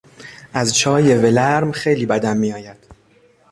از چای ولرم خیلی بدم میآید.